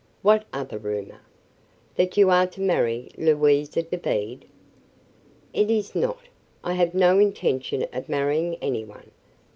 "What other rumor?" "That you are to marry Louisa Dobede." "It is not. I have no intention of marrying any one.